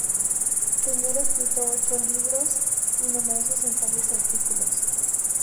Piñera ha escrito ocho libros y numerosos ensayos y artículos.